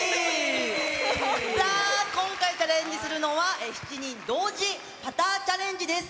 さあ、今回チャレンジするのは、７人同時パターチャレンジです。